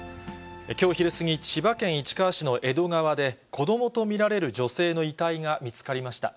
きょう昼過ぎ、千葉県市川市の江戸川で、子どもと見られる女性の遺体が見つかりました。